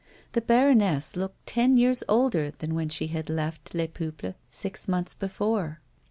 The baroness looked ten yeai s older than when she had left Les Peuples six months before.